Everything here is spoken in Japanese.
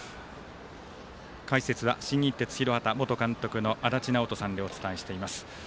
解説は、新日鉄広畑元監督の足達尚人さんでお伝えしています。